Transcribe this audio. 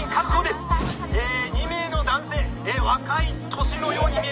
「２名の男性若い年のように見えます」